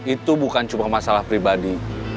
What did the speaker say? itu bukan cuma masalah pribadi